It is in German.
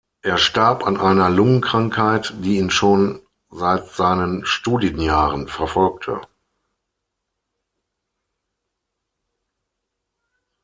Er starb an einer Lungenkrankheit, die ihn schon seit seinen Studienjahren verfolgte.